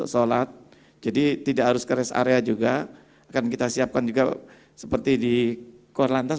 sholat jadi tidak harus rest area juga akan kita siapkan juga seperti di kuala lantas